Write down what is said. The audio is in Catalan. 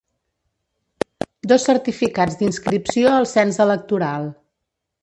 Dos certificats d’inscripció al cens electoral.